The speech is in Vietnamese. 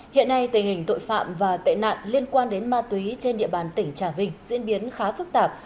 hiện nay tình hình tội phạm và tệ nạn liên quan đến ma túy trên địa bàn tỉnh trà vinh diễn biến khá phức tạp